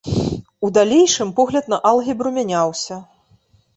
У далейшым погляд на алгебру мяняўся.